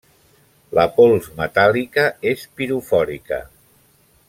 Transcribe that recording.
La pols metàl·lica és pirofòrica.